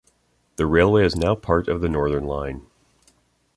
The railway is now part of the Northern line.